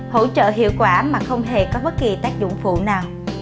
hỗ trợ hiệu quả mà không hề có bất kỳ tác dụng phụ nào